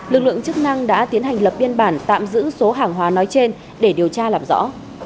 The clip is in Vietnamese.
lực lượng chức năng đã tiến hành lập biên bản tạm giữ số hàng hóa nói trên để điều tra làm rõ